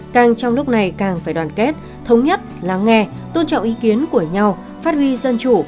càng trong lúc này càng phải đoàn kết thống nhất lắng nghe tôn trọng ý kiến của nhau phát huy dân chủ